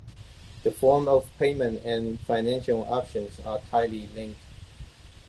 The form of payment and financing options are tightly linked.